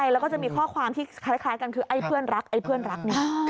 แล้วก็จะมีข้อความที่คล้ายกันคือไอ้เพื่อนรักไอ้เพื่อนรักเนี่ย